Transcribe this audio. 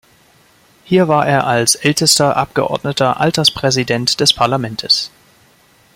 Hier war er als ältester Abgeordneter Alterspräsident des Parlamentes.